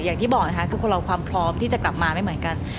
อย่างที่บอกนะคะคือคนเราความพร้อมที่จะกลับมาไม่เหมือนกัน